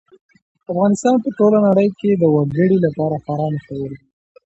افغانستان په ټوله نړۍ کې د وګړي لپاره خورا مشهور دی.